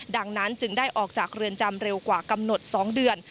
ดังนั้นจึงได้ออกจากเรือนจำเร็วกว่ากำหนด๒เดือน